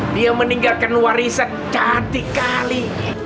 dia meninggalkan warisan cantik kali